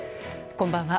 こんばんは。